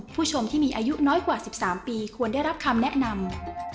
ผู้ชมที่มีอายุน้อยกว่า๑๓ปีควรได้รับคำแนะนำ